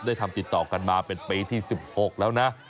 ได้ทำติดต่อกันมาเป็นปีที่๑๖แล้วนะ